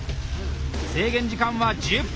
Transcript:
制限時間は１０分！